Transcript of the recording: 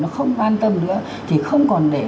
nó không an tâm nữa thì không còn để